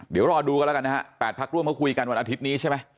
เดี๋ยวรอดูกันแล้วกันนะฮะ๘พักร่วมเขาคุยกันวันอาทิตย์นี้ใช่ไหม